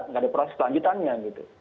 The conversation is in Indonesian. nggak ada proses selanjutnya gitu